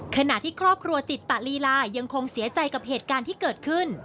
ขณะที่ครอบครัวจิตตะลีลายังคงเสียใจกับเหตุการณ์ที่เกิดขึ้น